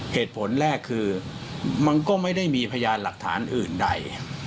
เหตุผลแรกคือมันก็ไม่ได้มีพยานหลักฐานอื่นใด